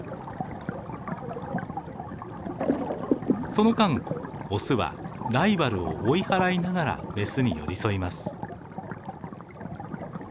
その間オスはライバルを追い払いながらメスに寄り添います。